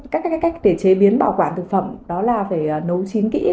các cái cách để chế biến bảo quản thực phẩm đó là phải nấu chín kỹ